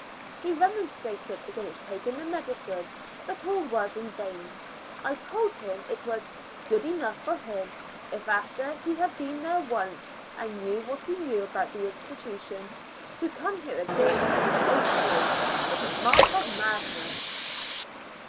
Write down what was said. He remonstra ted against taking the medicine, but all was in vain. I told him it was "good enough for him, if after he had been there once and and knew what he knew about the institu tion, to come here again of his own accord, was a mark of madness."